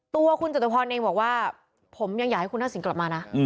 ตัวคุณจตุพรเองบอกว่าผมยังอยากให้คุณทักษิณกลับมานะ